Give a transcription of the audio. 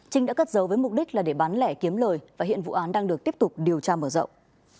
trinh đã cất giấu với mục đích là để bán lẻ kiếm lời và hiện vụ án đang được tiếp tục điều tra mở rộng